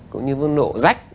cũng như mức độ rách